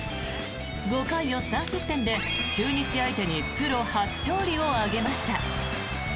５回を３失点で中日相手にプロ初勝利を挙げました。